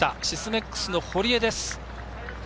シスメックスの堀江です。